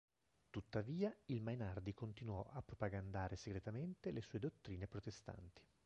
Tuttavia, il Mainardi continuò a propagandare segretamente le sue dottrine protestanti.